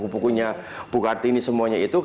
buka kartini semuanya itu